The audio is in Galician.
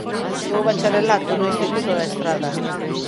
Estudou o bacharelato no Instituto da Estrada.